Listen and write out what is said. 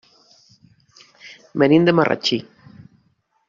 Venim de Marratxí.